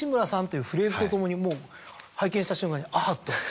いうフレーズとともにもう拝見した瞬間に「あっ」と。